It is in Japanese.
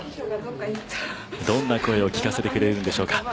どんな声を聞かせてくれるんでしょうか。